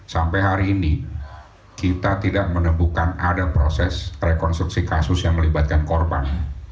sampai hari ini kita tidak menemukan ada proses rekonstruksi kasus yang melibatkan korban